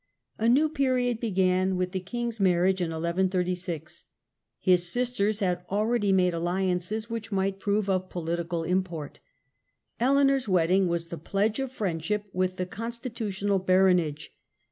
A new period began with the king's marriage in 1136. His sisters had already made alliances which might prove of political import Eleanor's wedding was ^^^ king's the pledge of friendship with the constitutional manriagc, baronage.